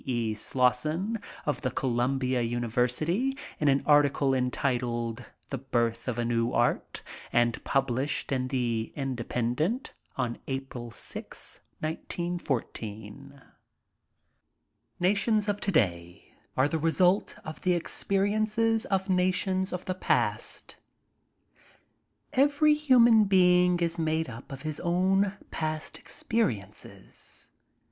EL Slossen of the G>lumbia University m an article entitled "The Birth of a New Art,'* and pvb lished in the Independent on April 6, 1 91 4. Nations of today are the result of the experiences of nations of the past Every human being is made up of his own past experiences.